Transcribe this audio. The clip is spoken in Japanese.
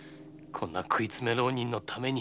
こんな食い詰め浪人のために。